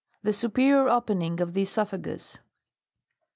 The superior opening ofthe (Esop'iagus.